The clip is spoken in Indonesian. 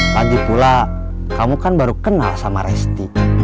lagi pula kamu kan baru kenal sama resti